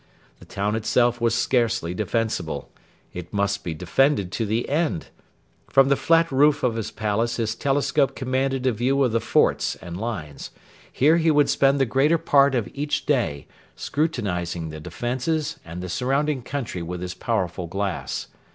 The town itself was scarcely defensible. It must be defended to the end. From the flat roof of his palace his telescope commanded a view of the forts and lines. Here he would spend the greater part of each day, scrutinising the defences and the surrounding country with his powerful glass.